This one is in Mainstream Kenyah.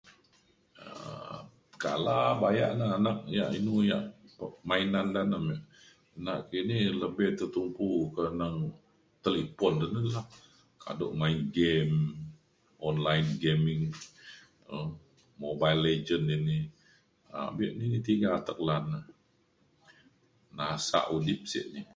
um kala bayak na anak yak inu yak permainan ida nakini lebih tertumpu ke neng talipon de ne lah kado main game online gaming um Mobile Legend ini um be ni tiga atek lan na. nasak udip sek ni.